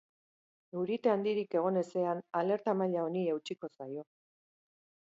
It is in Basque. Eurite handirik egon ezean, alerta maila honi eutsiko zaio.